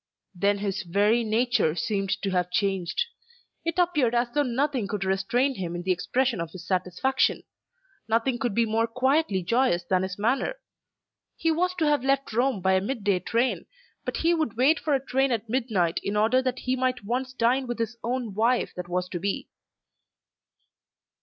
Then his very nature seemed to have changed. It appeared as though nothing could restrain him in the expression of his satisfaction. Nothing could be more quietly joyous than his manner. He was to have left Rome by a mid day train, but he would wait for a train at midnight in order that he might once dine with his own wife that was to be.